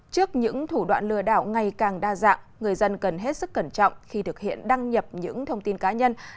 trước những thủ đoạn lừa đảo ngày càng đa dạng người dân cần hết sức cẩn trọng khi thực hiện đăng nhập những thông tin cá nhân